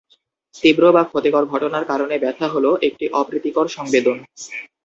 তীব্র বা ক্ষতিকারক ঘটনার কারণে ব্যথা হ'ল একটি অপ্রীতিকর সংবেদন।